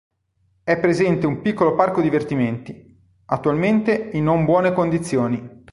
È presente un piccolo parco divertimenti, attualmente in non buone condizioni.